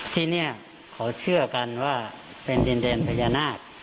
ที่เนี่ยขอเชื่อกันว่าเป็นเด็นพญานาค